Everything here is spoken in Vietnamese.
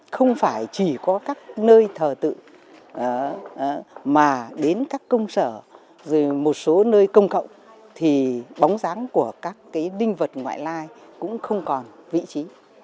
không phải chỉ có các nơi thờ tự mà đến các công sở một số nơi công cộng thì bóng dáng của các cái đinh vật ngoại lai cũng không còn vị trí